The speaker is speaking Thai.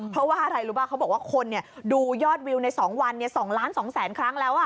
เพราะว่าอะไรรู้ป่ะเขาบอกว่าคนดูยอดวิวใน๒วัน๒ล้าน๒แสนครั้งแล้ว